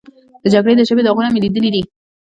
د جګړې د ژبې داغونه مې لیدلي دي.